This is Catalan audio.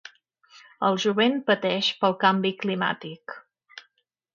El jovent pateix pel canvi climàtic.